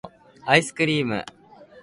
アイスクリーム